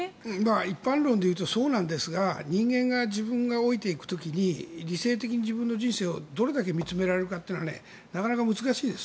一般論でいうとそうなんですが人間が自分が老いていく時に理性的に自分の人生をどれだけ見つめられるかというのはなかなか難しいです。